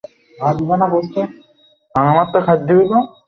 ইহাদের যে-কোন একটি না থাকিলে কোন প্রত্যক্ষ অনুভূতি হইবে না।